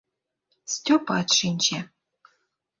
Степат шинче.